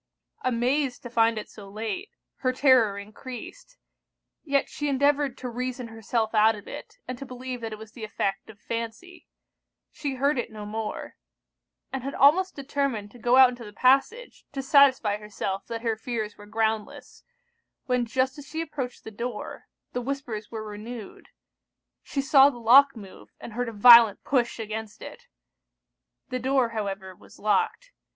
Amazed to find it so late, her terror encreased; yet she endeavoured to reason herself out of it, and to believe that it was the effect of fancy: she heard it no more; and had almost determined to go out into the passage to satisfy herself that her fears were groundless, when just as she approached the door, the whispers were renewed; she saw the lock move, and heard a violent push against it. The door, however, was locked.